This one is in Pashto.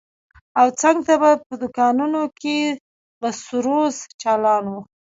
او څنگ ته په دوکانونو کښې به سروذ چالان و.